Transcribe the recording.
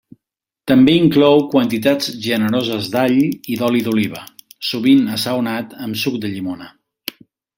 També inclou quantitats generoses d'all i d'oli d'oliva, sovint assaonat amb suc de llimona.